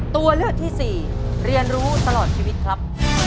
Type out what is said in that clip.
ตัวเลือกที่สี่เรียนรู้ตลอดชีวิตครับ